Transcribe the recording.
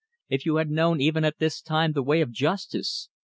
If you had known even at this time the way of justice!